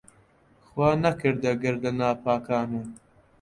خوا نەکەردە گەر لە ناپاکانە